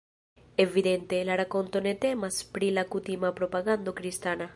Evidente, la rakonto ne temas pri kutima propagando kristana.